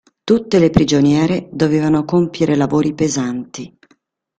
Tutte le prigioniere dovevano compiere lavori pesanti.